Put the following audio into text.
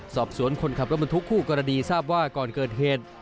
คนขับรถบรรทุกคู่กรณีทราบว่าก่อนเกิดเหตุ